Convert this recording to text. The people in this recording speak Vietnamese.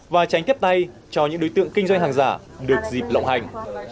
và tránh tiếp tay cho những đối tượng kinh doanh hàng giả được dịp lộng hành